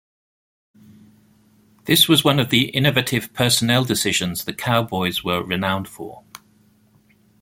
This was one of the innovative personnel decisions the Cowboys were renowned for.